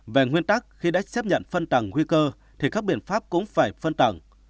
về nguyên tắc khi đã xếp nhận phân tẳng nguy cơ thì các biện pháp cũng phải phân tẳng